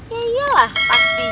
ya iyalah pastinya